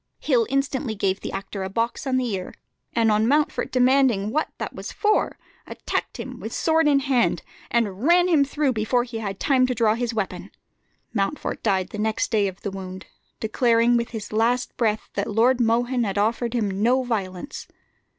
Hill instantly gave the actor a box on the ear, and on Mountfort demanding what that was for, attacked him sword in hand, and ran him through before he had time to draw his weapon. Mountfort died the next day of the wound, declaring with his last breath that Lord Mohun had offered him no violence.